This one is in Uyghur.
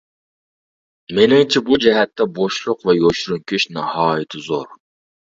مېنىڭچە، بۇ جەھەتتە بوشلۇق ۋە يوشۇرۇن كۈچ ناھايىتى زور.